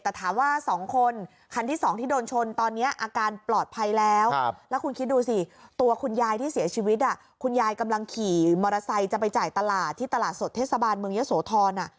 แต่ถามว่า๒คนคันที่๒ที่โดนชนตอนนี้อาการปลอดภัยแล้วแล้วคุณคิดดูสิตัวคุณยายที่เสียชีวิตคุณยายกำลังขี่มอเตอร์ไซค์จะไปจ่ายตลาดที่ตลาดสดเทศบาลเมืองเยอะโสธร